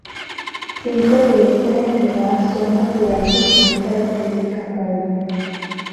Cinco de estas ensenadas son naturales y tienen características móviles.